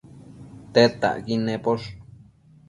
Tedtacquid naposh